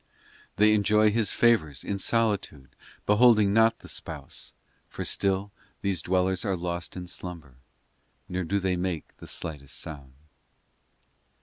XI They enjoy His favours In solitude, beholding not the Spouse, For still these dwellers Are lost in slumber Nor do they make the slightest sound.